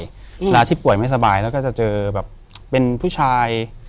เวลาที่ป่วยไม่สบายแล้วก็จะเจอแบบเป็นผู้ชาย